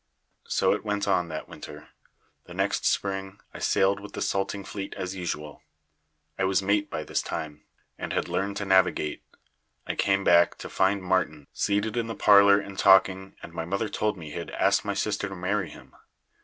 "So it went on, that winter. The next spring I sailed with the salting fleet as usual. I was mate by this time, and had learned to navigate. I came back, to find Martin seated in the parlour and talking, and my mother told me he had asked my sister to marry him.